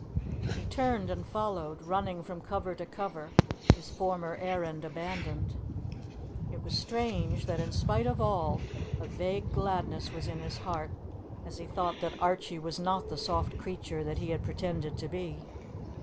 He turned and followed, running from cover to cover, his former errand abandoned. It was strange that, in spite of all, a vague gladness was in his heart, as he thought that Archie was not the soft creature that he had pretended to be.